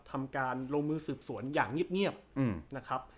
ทำการลงมือสืบสวนอย่างเงียบนะครับ